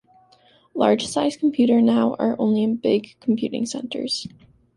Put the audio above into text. Large sized computer now are only in big computing centers.